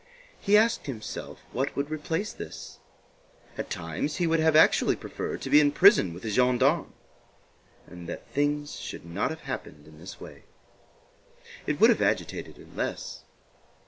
He asked himself what would replace this. At times he would have actually preferred to be in prison with the gendarmes, and that things should not have happened in this way; it would have agitated him less.